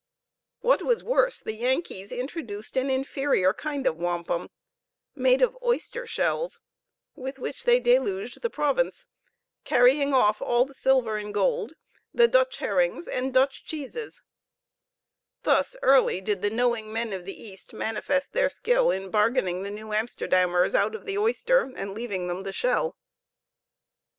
What was worse, the Yankees introduced an inferior kind of wampum, made of oyster shells, with which they deluged the province, carrying off all the silver and gold, the Dutch herrings and Dutch cheeses: thus early did the knowing men of the East manifest their skill in bargaining the New Amsterdammers out of the oyster, and leaving them the shell.